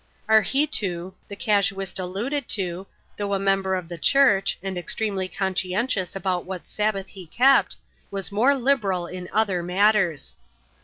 Arheetoo, the casuist alluded to, though a member of the church, and extremely conscientious about what Sabbath he kept, was more liberal in other matters.